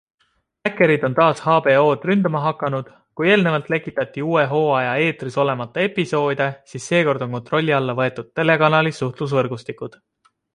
Häkkerid on taas HBO-d ründama hakanud, kui eelnevalt lekitati uue hooaja eetris olemata episoode, siis seekord on kontrolli alla võetud telekanali suhtlusvõrgustikud.